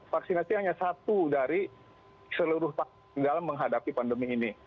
vaksinasi hanya satu dari seluruh dalam menghadapi pandemi ini